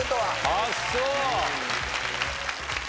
あっそう。